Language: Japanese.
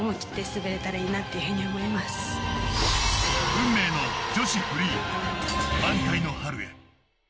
運命の女子フリー満開の春へ。